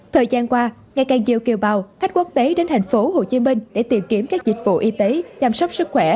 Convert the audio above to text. thời gian qua ngày càng nhiều kiều bào khách quốc tế đến tp hcm để tìm kiếm các dịch vụ y tế chăm sóc sức khỏe